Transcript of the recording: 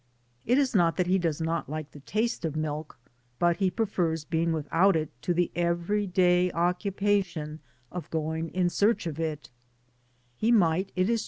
It is not that he does not like the taste of milk, but he prefers being without it to the every day occu pation of going in search of iU He might, it is Digitized byGoogk OF THB PAMPAS.